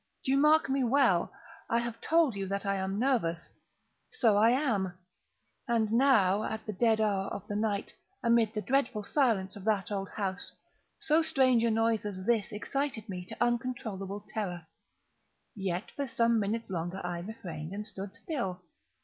—do you mark me well? I have told you that I am nervous: so I am. And now at the dead hour of the night, amid the dreadful silence of that old house, so strange a noise as this excited me to uncontrollable terror. Yet, for some minutes longer I refrained and stood still.